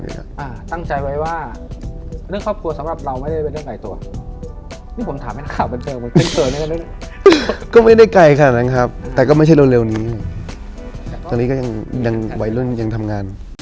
ตอนนี้วัยรุ่นอยากเป็นแบบทูพีมากครับก็ต้องเริ่มต้นยังไงครับต้อง